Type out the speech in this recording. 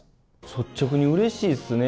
率直に、うれしいっすね。